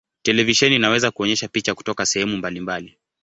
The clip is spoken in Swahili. Televisheni inaweza kuonyesha picha kutoka sehemu mbalimbali.